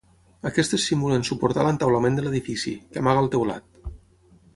Aquestes simulen suportar l'entaulament de l'edifici, que amaga el teulat.